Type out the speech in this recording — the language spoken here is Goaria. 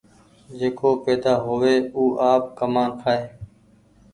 جيڪو پيدآ هووي او آپ ڪمآن کآئي۔